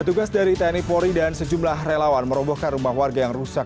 petugas dari tni polri dan sejumlah relawan merobohkan rumah warga yang rusak